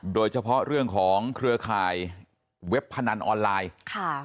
โดยเฉพาะเรื่องของเครือข่ายเว็บพนันออนไลน์ค่ะ